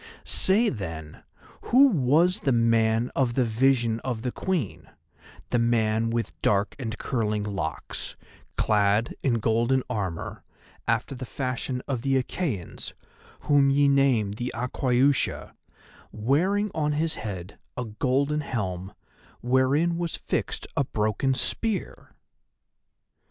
Say, then, who was the man of the vision of the Queen, the man with dark and curling locks, clad in golden armour after the fashion of the Achæans whom ye name the Aquaiusha, wearing on his head a golden helm, wherein was fixed a broken spear?"